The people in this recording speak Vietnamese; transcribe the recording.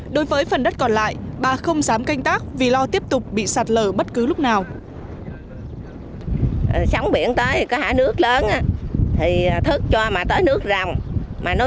đối với phần đất còn lại bà không dám canh tác vì lo tiếp tục bị sạt lở bất cứ lúc nào